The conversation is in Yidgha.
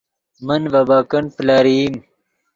من ڤے بیکنڈ پلرئیم